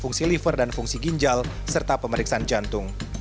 fungsi liver dan fungsi ginjal serta pemeriksaan jantung